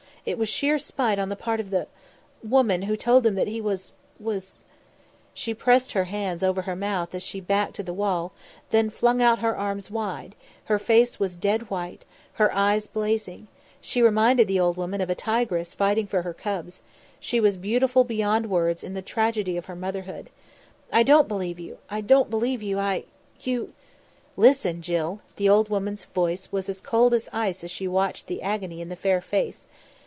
It was sheer spite on the part of the woman who told him that he was was " She pressed her hands over her mouth as she backed to the wall, then flung her arms out wide; her face was dead white, her eyes blazing; she reminded the old woman of a tigress fighting for her cubs; she was beautiful beyond words in the tragedy of her motherhood. "I don't believe you I don't believe you I you " "Listen, Jill." The old woman's voice was as cold as ice as she watched the agony in the fair face.